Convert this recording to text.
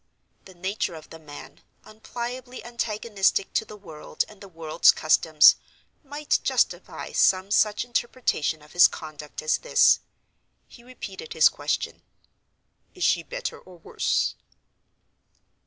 The nature of the man, unpliably antagonistic to the world and the world's customs, might justify some such interpretation of his conduct as this. He repeated his question, "Is she better, or worse?"